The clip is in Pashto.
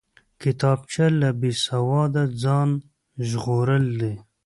کتابچه له بېسواده ځان ژغورل دي